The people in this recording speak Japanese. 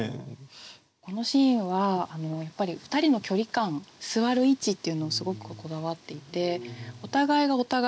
このシーンはやっぱり２人の距離感座る位置っていうのをすごくこだわっていて。